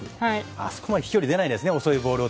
あそこまで飛距離出ないですよね